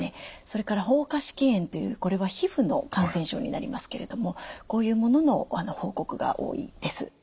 それから蜂窩織炎というこれは皮膚の感染症になりますけれどもこういうものの報告が多いです。